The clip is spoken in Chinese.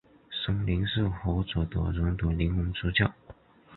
生灵是活着的人的灵魂出窍。